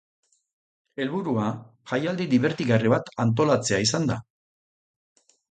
Helburua jaialdi dibertigarri bat antolatzea izan da.